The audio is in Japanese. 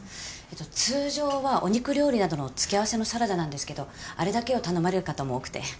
通常はお肉料理などの付け合わせのサラダなんですけどあれだけを頼まれる方も多くて。